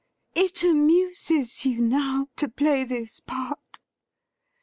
It amuses you now to play this part.